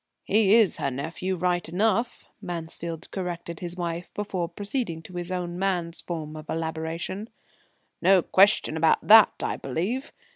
"He is her nephew right enough," Mansfield corrected his wife, before proceeding to his own man's form of elaboration; "no question about that, I believe.